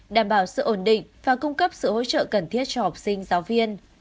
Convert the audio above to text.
đảm bảo sự ổn định và cung cấp sự hỗ trợ cần thiết cho học sinh giáo viên